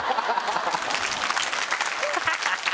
ハハハハ！